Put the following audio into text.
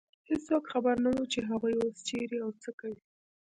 هېڅوک خبر نه و، چې هغوی اوس چېرې او څه کوي.